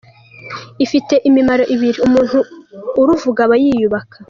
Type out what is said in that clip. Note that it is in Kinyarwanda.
Ifite imimaro ibiri: umuntu uruvuga aba yiyubaka.